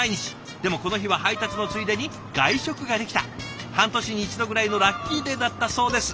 でもこの日は配達のついでに外食ができた半年に一度ぐらいのラッキーデーだったそうです。